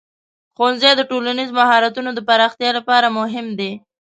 ښوونځی د ټولنیز مهارتونو د پراختیا لپاره مهم دی.